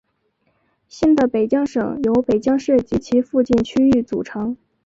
新的北江省由北江市及其附近区域组成。